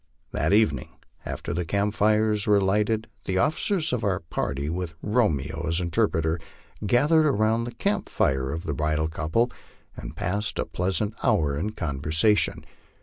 That evening, after the camp fires were lighted, the officers of our party, with Romeo as interpreter, gathered about the camp fire of the bridal couple and passed a pleasant hour in conversation.